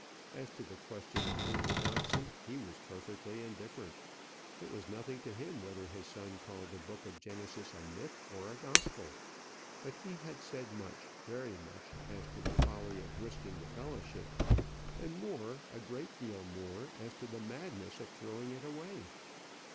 As to the question of orthodoxy he was perfectly indifferent. It was nothing to him whether his son called the book of Genesis a myth or a gospel; but he had said much, very much as to the folly of risking the fellowship; and more, a great deal more, as to the madness of throwing it away.